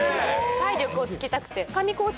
体力をつけたくて。